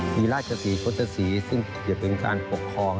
มีราชศรีโฆษศรีซึ่งจะเป็นการปกครอง